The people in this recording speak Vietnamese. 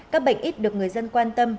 các bệnh ít được người dân quan tâm